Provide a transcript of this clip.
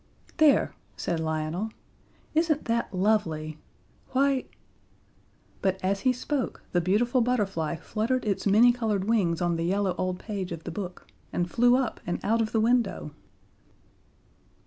"There," said Lionel, "Isn't that lovely? Why " But as he spoke the beautiful Butterfly fluttered its many colored wings on the yellow old page of the book, and flew up and out of the window.